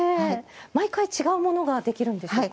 毎回、違うものができるんでしょうか？